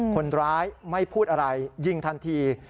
คนร้ายไม่พูดอะไรยิงทันที